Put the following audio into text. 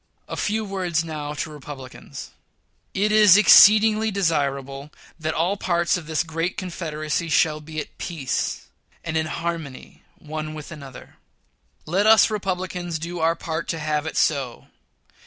A few words now to Republicans: It is exceedingly desirable that all parts of this great confederacy shall be at peace and in harmony one with another. Let us Republicans do our part to have it so.